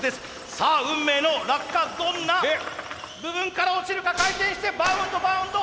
さあ運命の落下どんな部分から落ちるか回転してバウンドバウンド。